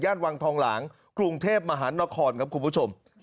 วังทองหลางกรุงเทพมหานครครับคุณผู้ชม